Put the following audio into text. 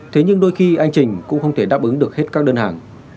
thế nhưng đôi khi anh trình cũng không thể đáp ứng được hết các đơn hàng